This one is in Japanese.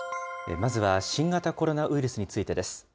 まずは新型コロナウイルスについてです。